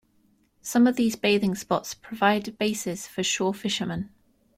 Some of these bathing spots provide bases for shore fishermen.